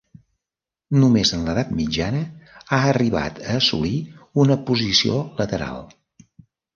Només en l'edat mitjana ha arribat a assolir una posició lateral.